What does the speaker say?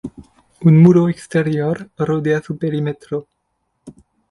Un muro exterior rodea su perímetro.